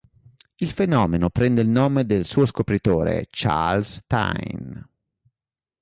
Il fenomeno prende il nome dal suo scopritore, Charles Stein.